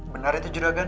benar itu juragan